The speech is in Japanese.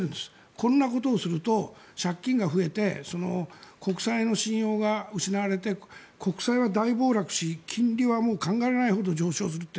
こういうことをしていると借金が増えて国債の信頼が失われて国債が大暴落し金利は考えられないほど上昇するって。